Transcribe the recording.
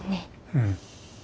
うん。